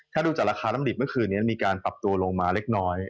ถ้าดูจากราคาน้ำดิบเมื่อคืนนี้มีการปรับตัวลงมาเล็กน้อย